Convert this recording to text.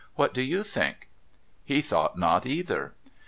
' W'hat do you think ?' He thought not, either.